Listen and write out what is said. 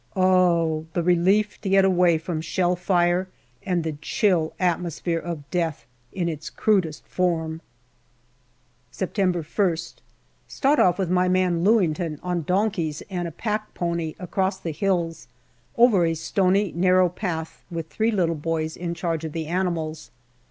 . Oh ! the relief to get away from shell fire and the chill atmosphere of death in its crudest form. SEPTEMBER September 1st. START off with my man Lewington on donkeys and a pack pony across the hills, over a stony, narrow path, with three little boys in charge of the animals.